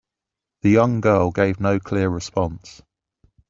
The young girl gave no clear response.